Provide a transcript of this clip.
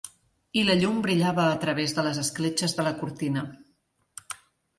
I la llum brillava a través de les escletxes de la cortina.